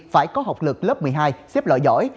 phải có học lực lớp một mươi hai xếp loại giỏi